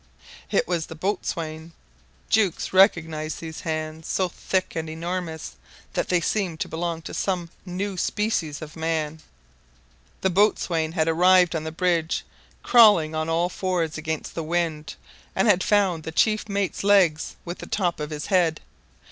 It was the boatswain. Jukes recognized these hands, so thick and enormous that they seemed to belong to some new species of man. The boatswain had arrived on the bridge, crawling on all fours against the wind, and had found the chief mate's legs with the top of his head.